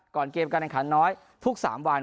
ก่อนเกมกันในขันน้อยทุก๓วัน